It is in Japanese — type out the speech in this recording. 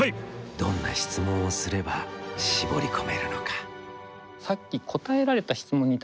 どんな質問をすれば絞り込めるのか？